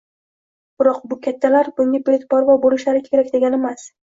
biroq bu kattalar bunga beparvo bo‘lishlari kerak degani emas.